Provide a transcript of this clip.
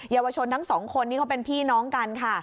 เยาวชนทั้งสองคนนี้เขาเป็นพี่น้องกันค่ะ